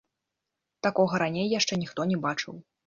Такога раней яшчэ ніхто не бачыў.